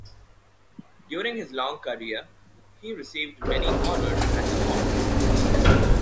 During his long career, he received many honours and awards.